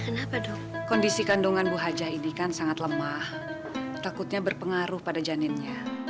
kenapa dong kondisi kandungan bu hajah ini kan sangat lemah takutnya berpengaruh pada janinnya